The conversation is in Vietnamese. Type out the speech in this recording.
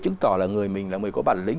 chứng tỏ là người mình là người có bản lĩnh